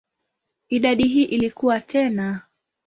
Idadi hii ilikua tena.